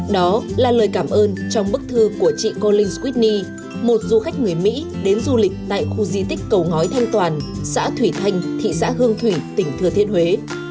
đó là lời cảm ơn trong bức thư của chị golling switny một du khách người mỹ đến du lịch tại khu di tích cầu ngói thanh toàn xã thủy thanh thị xã hương thủy tỉnh thừa thiên huế